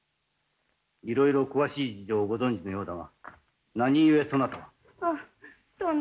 いろいろ詳しい事情をご存じのようだが何故そなたが。